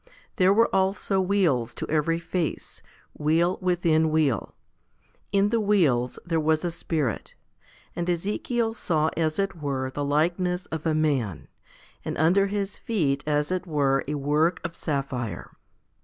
There were also wheels to every face, wheel within wheel. In the wheels there was a Spirit. And Ezekiel saw as it were the likeness of a man, and under his feet as it were a work of sapphire.